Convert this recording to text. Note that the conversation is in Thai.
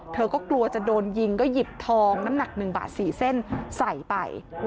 เธอก็กลัวจะโดนยิงก็หยิบทองน้ำหนัก๑บาท๔เส้นใส่ไป